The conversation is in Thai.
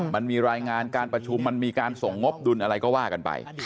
มันมีรายงานการประชุมมันมีการส่งงบดุลอะไรก็ว่ากันไป